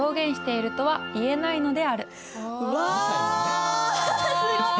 わすごい！